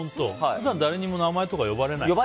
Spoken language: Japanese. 普段誰にも名前とか呼ばれない？